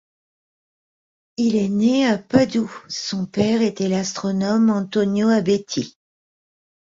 Il est né à Padoue, son père était l'astronome Antonio Abetti.